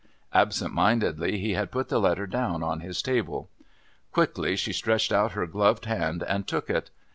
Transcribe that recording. Absent mindedly he had put the letter down on his table. Quickly she stretched out her gloved hand and took it.